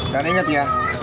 jangan inget ya